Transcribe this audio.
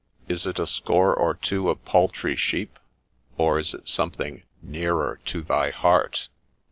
Is it a score or two of paltry sheep ? or is it something nearer to thy heart